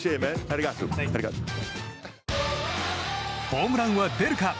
ホームランは出るか？